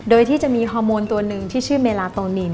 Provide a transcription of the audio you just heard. โดยที่จะมีฮอร์โมนตัวหนึ่งที่ชื่อเมลาโตนิน